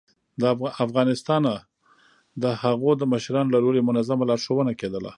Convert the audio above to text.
ه افغانستانه د هغو د مشرانو له لوري منظمه لارښوونه کېدله